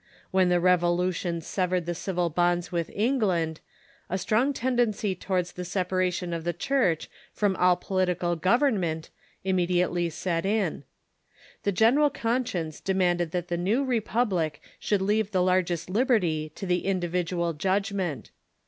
When the Revolution severed the civil bonds with England, a strong tendency towards the sep aration of the Church from all political government immedi ately set in. The general conscience demanded that the new republic should leave the largest liberty to the individual judgment.